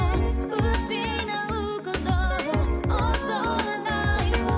「失うことを恐れないわ」